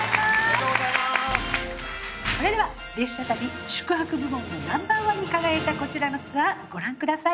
それでは列車旅宿泊部門のＮｏ．１に輝いたこちらのツアーご覧ください。